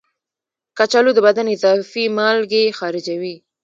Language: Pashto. کچالو د بدن اضافي مالګې خارجوي.